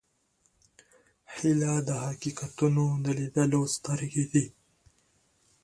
هیله د حقیقتونو د لیدلو سترګې دي.